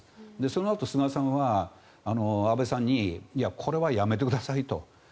そのあと、菅さんは安倍さんにいや、これはやめてくださいと。